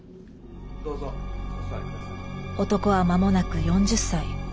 男はまもなく４０歳。